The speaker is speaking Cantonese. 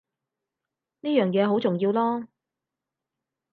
呢樣嘢好重要囉